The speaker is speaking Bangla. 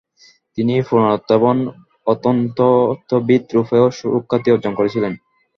তিনি পুরাতত্ত্ব এবং প্রত্নতত্ত্ববিদ রূপেও সুখ্যাতি অর্জন করেছিলেন।